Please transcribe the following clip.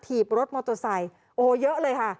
ถีบรถมอเตอร์ไซค์โอ้โหเยอะเลยค่ะ